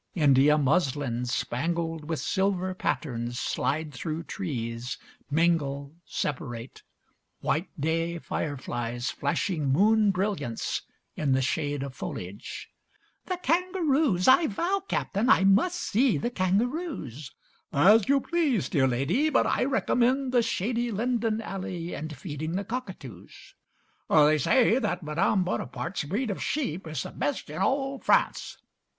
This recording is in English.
India muslins spangled with silver patterns slide through trees mingle separate white day fireflies flashing moon brilliance in the shade of foliage. "The kangaroos! I vow, Captain, I must see the kangaroos." "As you please, dear Lady, but I recommend the shady linden alley and feeding the cockatoos." "They say that Madame Bonaparte's breed of sheep is the best in all France."